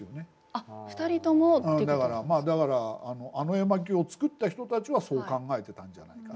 だからあの絵巻を作った人たちはそう考えてたんじゃないか。